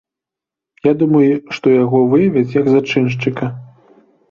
Я думаю, што яго выявяць, як зачыншчыка.